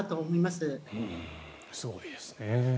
すごいですね。